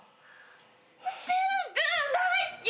駿君大好き！